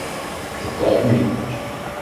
Det går dem ikke godt!